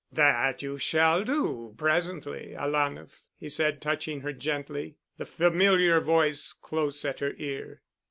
"That you shall do presently, alanah," he said, touching her gently, the familiar voice close at her ear.